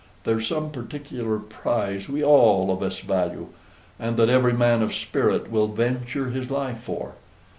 There's some particular prize we all of us value, and that every man of spirit will venture his life for.